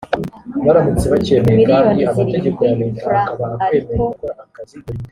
miliyoni zirindwi frw ariko